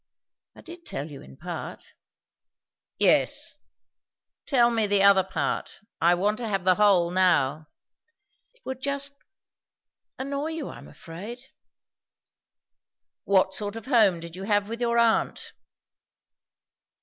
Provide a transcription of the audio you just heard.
"I did tell you, in part." "Yes. Tell me the other part. I want to have the whole now." "It would just annoy you, I am afraid." "What sort of a home did you have with your aunt?"